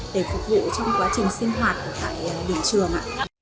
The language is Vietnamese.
để phục vụ trong quá trình sinh hoạt tại đỉnh trường